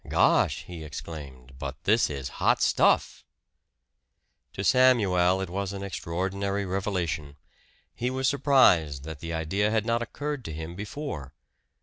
"Gosh!" he exclaimed. "But this is hot stuff!" To Samuel it was an extraordinary revelation. He was surprised that the idea had not occurred to him before.